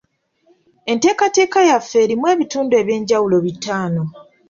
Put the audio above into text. Enteekateeka yaffe erimu ebitundu eby'enjawulo bitaano.